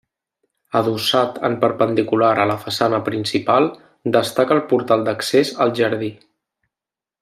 Adossat en perpendicular a la façana principal destaca el portal d'accés al jardí.